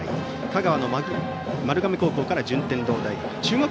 香川の丸亀高校から順天堂大学。